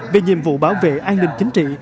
về nhiệm vụ bảo vệ an ninh chính trị